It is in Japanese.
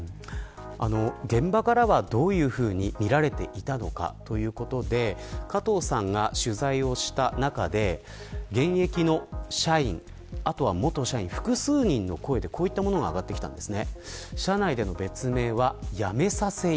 現場からはどういうふうに見られていたのかということで加藤さんが取材をした中で現役の社員、あとは元社員複数人の声で、こういったものが上がってきたんです。